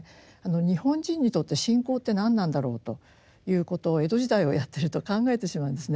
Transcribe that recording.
日本人にとって信仰って何なんだろうということを江戸時代をやってると考えてしまうんですね。